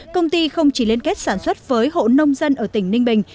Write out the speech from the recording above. công ty không chỉ liên kết sản xuất với hộ nông dân ở tỉnh ninh bình